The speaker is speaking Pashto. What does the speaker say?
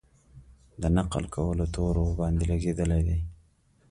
د نقل کولو تور ورباندې لګېدلی دی.